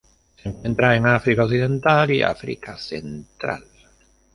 Se encuentra en África occidental y África central.